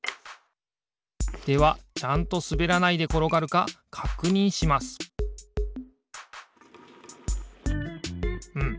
ではちゃんとすべらないでころがるかかくにんしますうん。